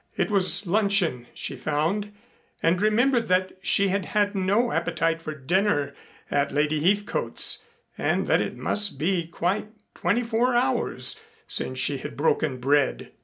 It was luncheon, she found, and remembered that she had had no appetite for dinner at Lady Heathcote's and that it must be quite twenty four hours since she had broken bread.